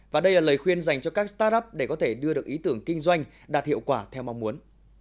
và đây là lời khuyên dành cho các start up để có thể đưa được ý tưởng kinh doanh đạt hiệu quả theo mong muốn